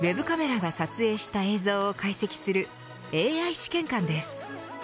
ＷＥＢカメラが撮影した映像を解析するＡＩ試験官です。